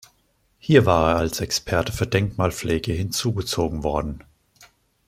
Hier war er als Experte für Denkmalpflege hinzugezogen worden.